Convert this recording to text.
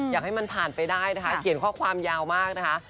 อยากให้มันผ่านไปได้นะคะเขียนข้อความยาวมากนะคะ